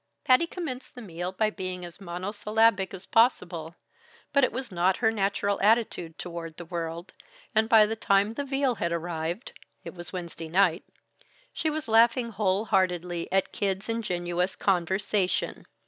Patty commenced the meal by being as monosyllabic as possible; but it was not her natural attitude toward the world, and by the time the veal had arrived (it was Wednesday night) she was laughing whole heartedly at Kid's ingenuous conversation.